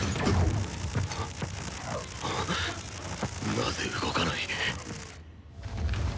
なぜ動かない！？